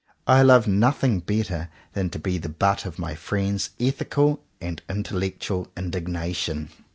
I love nothing better than to be the butt of my friends' ethical and intellectual indignation.